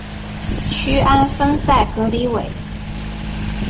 屈安丰塞格里韦。